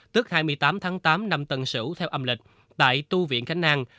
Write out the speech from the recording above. tức hai mươi tám tháng tám năm tần sửu theo âm lịch tại tu viện khánh nang